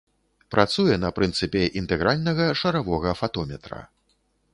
Працуе на прынцыпе інтэгральнага шаравога фатометра.